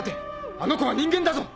あの子は人間だぞ！